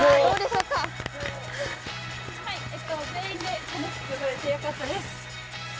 全員で楽しく踊れてよかったです。